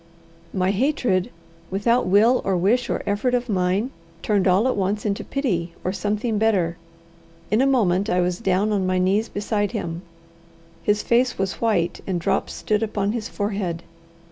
My hatred, without will or wish or effort of mine, turned all at once into pity or something better. In a moment I was down on my knees beside him. His face was white, and drops stood upon his forehead.